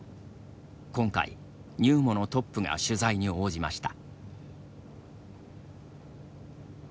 今回、ＮＵＭＯのトップが取材に応じました。